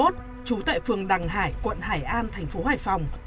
trú tại phường đằng hải quận hải an thành phố hải phòng